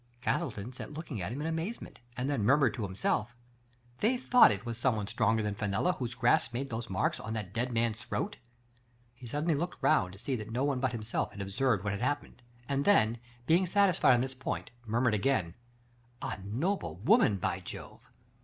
Castleton sat looking at him in amazement, and then murmured to himself : Digitized by Google ii6 THE PATE OF EENELLA. " They thought it was someone stronger than Fenella whose g;rasp made those marks on the dead man's throat." He suddenly looked round to see that no one but himself had observed what had happened, and then, being satisfied on this point, murmured again :'* A noble woman, by Jove